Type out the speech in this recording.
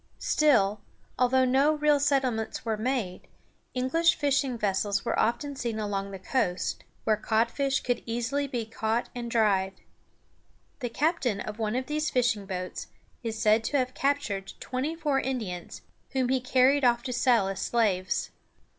Still, although no real settlements were made, English fishing vessels were often seen along the coast, where codfish could easily be caught and dried. The captain of one of these fishing boats is said to have captured twenty four Indians, whom he carried off to sell as slaves.